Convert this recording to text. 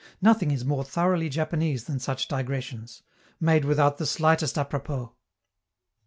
Nothing is more thoroughly Japanese than such digressions, made without the slightest apropos.